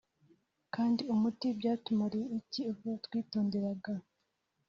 kandi muti Byatumariye iki ubwo twitonderaga